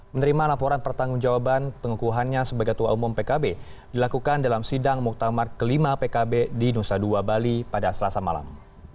menerima laporan pertanggung jawaban pengukuhannya sebagai ketua umum pkb dilakukan dalam sidang muktamar ke lima pkb di nusa dua bali pada selasa malam